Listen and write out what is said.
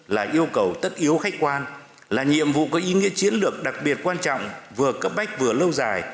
là yêu cầu tất yếu khách quan là nhiệm vụ có ý nghĩa chiến lược đặc biệt quan trọng vừa cấp bách vừa lâu dài